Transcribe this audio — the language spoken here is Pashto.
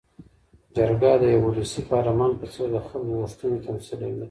جرګه د یوه ولسي پارلمان په څېر د خلکو غوښتنې تمثیلوي.